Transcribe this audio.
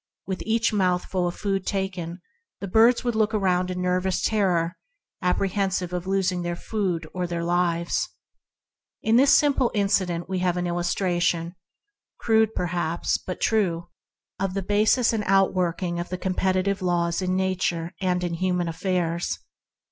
With each mouthful of food taken the birds looked about in nervous terror, apprehensive of losing their food. In this simple incident we have an illus tration — crude, but true — of the basis and outworkings of competitive laws in Nature and in human affairs.